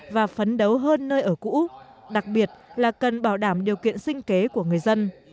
và phấn đấu hơn nơi ở cũ đặc biệt là cần bảo đảm điều kiện sinh kế của người dân